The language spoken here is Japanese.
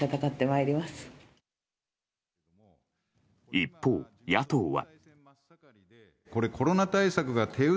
一方、野党は。